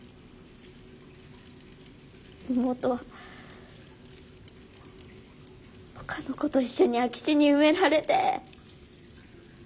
妹は他の子と一緒に空き地に埋められて。